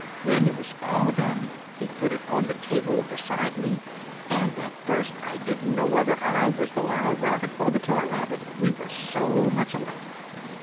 When it was all done he put it on the table beside me, and at first I didn't know whether I was the live rabbit or the toy rabbit, we were so much alike.